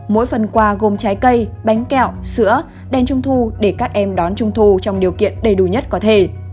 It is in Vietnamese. mỗi phần quà gồm trái cây bánh kẹo sữa đèn trung thu để các em đón trung thu trong điều kiện đầy đủ nhất có thể